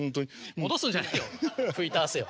戻すんじゃないよ